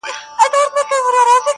د شنه چنار په ننداره وزمه!